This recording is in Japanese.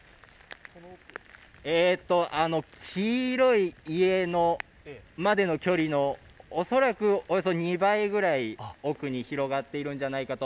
あの黄色い家までの距離の、恐らくおよそ２倍くらい奥に広がっているんじゃないかと。